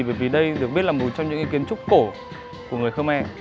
vì đây được biết là một trong những kiến trúc cổ của người khmer